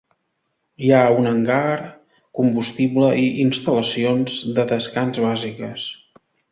Hi ha un hangar, combustible i instal·lacions de descans bàsiques.